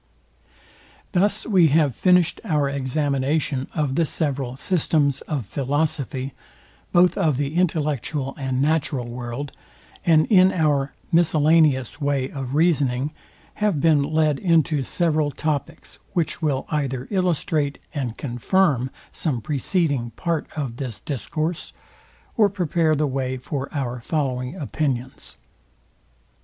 Thus we have finished our examination of the several systems of philosophy, both of the intellectual and natural world; and in our miscellaneous way of reasoning have been led into several topics; which will either illustrate and confirm some preceding part of this discourse, or prepare the way for our following opinions.